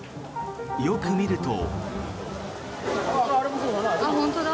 よく見ると。